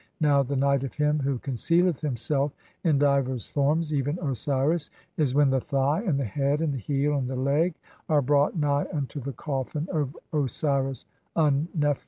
Now the "night of him who (2) concealeth himself in divers forms, even Osiris", is when the the thigh, [and the head] and the heel, and the leg, are brought nigh unto the coffin of Osiris Un nefer.